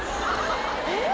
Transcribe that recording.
えっ。